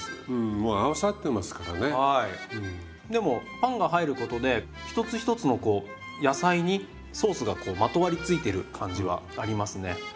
でもパンが入ることで一つ一つのこう野菜にソースがこうまとわりついている感じはありますね。